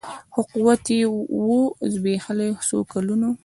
خو قوت یې وو زبېښلی څو کلونو